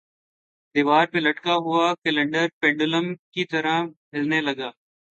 دیوار پر لٹکا ہوا کیلنڈر پنڈولم کی طرح ہلنے لگا